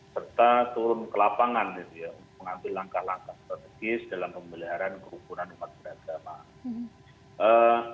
serta turun ke lapangan ya mengambil langkah langkah strategis dalam pemeliharaan kerubunan masjid agama